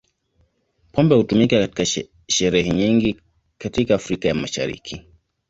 Pombe hutumika katika sherehe nyingi katika Afrika ya Mashariki.